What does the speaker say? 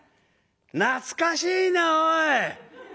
懐かしいなおい。